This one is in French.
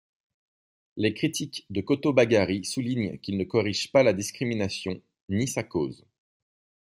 Les critiques de kotobagari soulignent qu'il ne corrige pas la discrimination, ni sa cause.